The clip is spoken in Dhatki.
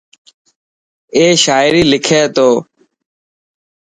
اي شاعري لکي ٿو.